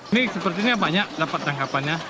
ini sepertinya banyak dapat tangkapannya